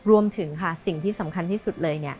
รวมถึงค่ะสิ่งที่สำคัญที่สุดเลย